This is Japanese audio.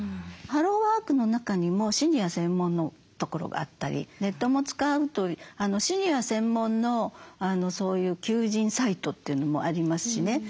ハローワークの中にもシニア専門のところがあったりネットも使うとシニア専門のそういう求人サイトというのもありますしね。